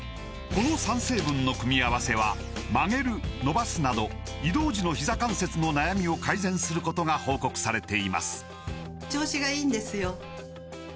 この３成分の組み合わせは曲げる伸ばすなど移動時のひざ関節の悩みを改善することが報告されています